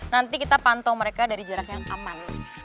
nanti kita pantau mereka dari jarak yang aman